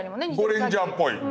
「ゴレンジャー」っぽい。